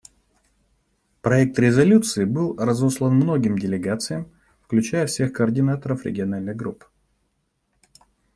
Проект резолюции был разослан многим делегациям, включая всех координаторов региональных групп.